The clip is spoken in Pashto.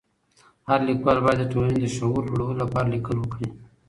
هر ليکوال بايد د ټولني د شعور لوړولو لپاره ليکل وکړي.